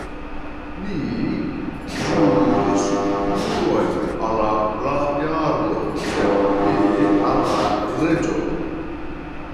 Ni ĵuris ĵuron al la jarlo, sed ne al la reĝo.